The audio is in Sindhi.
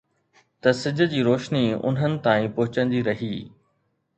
ته سج جي روشني انهن تائين پهچندي رهي